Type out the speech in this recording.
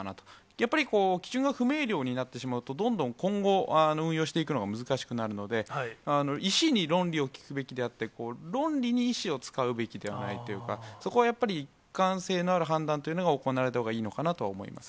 やっぱり基準が不明瞭になってしまうと、どんどん今後、運用していくのが難しくなるので、医師に論理を聞くべきであって、論理に医師を使うべきではないというか、そこはやっぱり、一貫性のある判断というのが行われた方がいいのかなと思います。